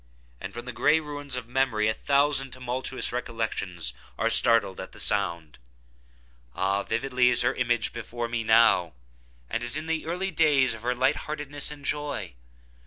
—and from the gray ruins of memory a thousand tumultuous recollections are startled at the sound! Ah, vividly is her image before me now, as in the early days of her light heartedness and joy!